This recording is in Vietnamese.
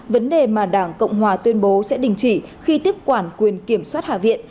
vấn đề mà đảng cộng hòa tuyên bố sẽ đình chỉ khi tiếp quản quyền kiểm soát hạ viện